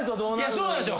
そうなんですよ。